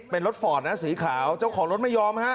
เป็นรถฟอร์ดนะสีขาวเจ้าของรถไม่ยอมฮะ